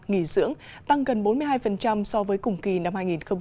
nghỉ dưỡng tăng gần bốn mươi hai so với cùng kỳ năm hai nghìn hai mươi ba